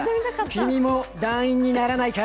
君も団員にならないか？